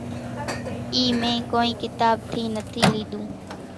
اِي مين ڪونئين ڪتاٻ ٿي نٿي ليڌون